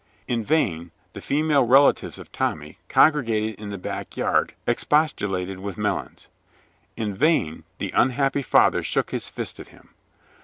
In vain the female relatives of Tommy, congregated in the back yard, expostulated with Melons; in vain the unhappy father shook his fist at him.